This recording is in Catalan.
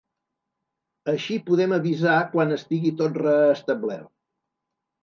Així podem avisar quan estigui tot reestablert.